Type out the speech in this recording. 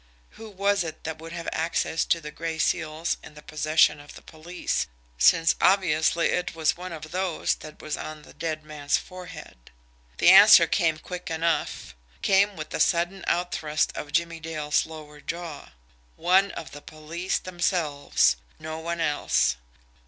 Who was it that would have access to the gray seals in the possession of the police, since, obviously, it was one of those that was on the dead man's forehead? The answer came quick enough came with the sudden out thrust of Jimmie Dale's lower jaw. ONE OF THE POLICE THEMSELVES no one else.